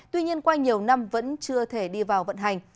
tuy nhiên qua nhiều năm vẫn chưa thể đi vào vận hành